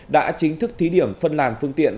đã chính thức thí điểm phân làm phương tiện